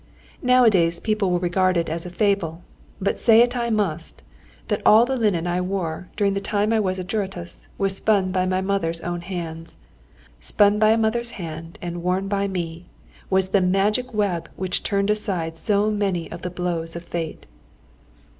Nowadays people will regard it as a fable, but say it I must, that all the linen I wore during the time when I was a juratus was spun by my mother's own hands. I verily believe that that shirt, spun by a mother's hand, and worn by me, was the magic web which turned aside so many of the blows of fate.